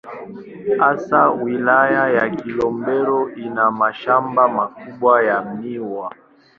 Hasa Wilaya ya Kilombero ina mashamba makubwa ya miwa.